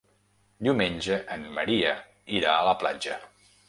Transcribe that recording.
Diumenge en Maria irà a la platja.